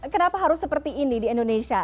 kenapa harus seperti ini di indonesia